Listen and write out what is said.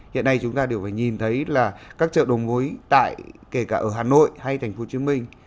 hiện nay chúng ta đều phải nhìn thấy là các chợ đầu mối tại kể cả ở hà nội hay thành phố hồ chí minh